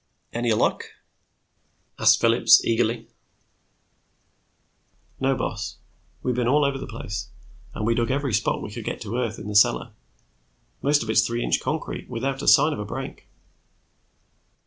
"Any luck?" asked Phillips eagerly. "No, boss. We been all over the place, and we dug every spot we could get to earth in the cellar. Most of it's three inch concrete, without a sign of a break."